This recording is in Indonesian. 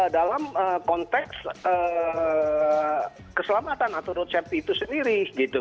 dalam konteks keselamatan atau road safety itu sendiri